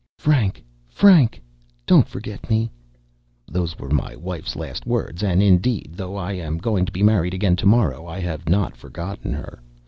"Frank, Frank, don't forget me!" Those were my wife's last words; and, indeed, though I am going to be married again to morrow, I have not forgotten her.